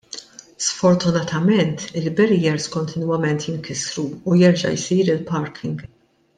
Sfortunatament il-barriers kontinwament jinkissru u jerġa' jsir il-parking.